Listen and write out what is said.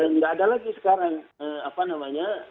nggak ada lagi sekarang apa namanya